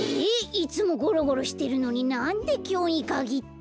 いつもゴロゴロしてるのになんできょうにかぎって。